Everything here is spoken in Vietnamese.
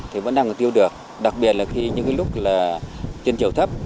thì vẫn đang tiêu được đặc biệt là khi những cái lúc là trên chiều thấp